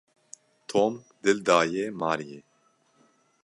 Tom dil daye Maryê.